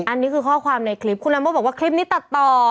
อันนี้คือข้อความในคลิปคุณลัมโบบอกว่าคลิปนี้ตัดต่อ